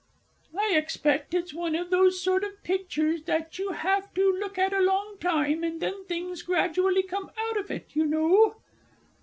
I expect it's one of those sort of pictures that you have to look at a long time, and then things gradually come out of it, you know.